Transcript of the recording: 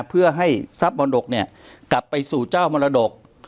เพื่อให้ทรัพย์มรดกกลับไปสู่เจ้ามรดก